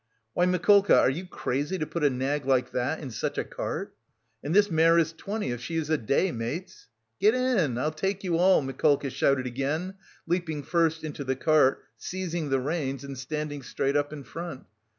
"Why, Mikolka, are you crazy to put a nag like that in such a cart?" "And this mare is twenty if she is a day, mates!" "Get in, I'll take you all," Mikolka shouted again, leaping first into the cart, seizing the reins and standing straight up in front.